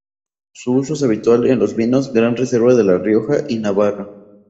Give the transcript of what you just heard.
Su uso es habitual en los vinos gran reserva de La Rioja y Navarra.